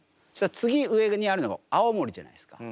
次上にあるのが青森じゃないですか。